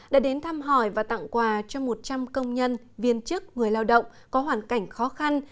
đã đến thăm hỏi và tặng quà cho một trăm linh công nhân viên chức người lao động có hoàn cảnh khó khăn